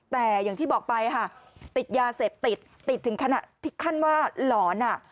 แต่อย่างที่บอกไปติดยาเสพติดติดถึงขั้นว่าหลอน